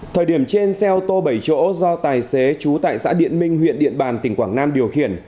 thời điểm trên xe ô tô bảy chỗ do tài xế trú tại xã điện minh huyện điện bàn tỉnh quảng nam điều khiển